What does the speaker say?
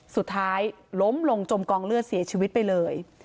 สุดท้ายล้มลงจมกองเลือดเสียชีวิตไปเลย